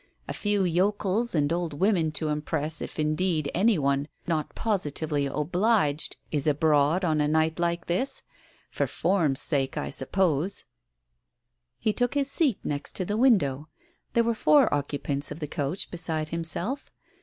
A few yokels and old women to impress, if indeed, any one not positively obliged is abroad on a night like this ! For form's sake, I suppose !" Digitized by Google 134 TALES OF THE UNEASY He took his seat next the window. There were four occupants of the coach beside himself.